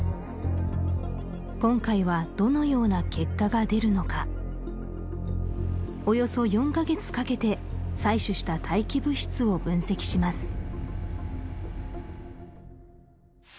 今回はどのような結果が出るのかおよそ４カ月かけて採取した大気物質を分析します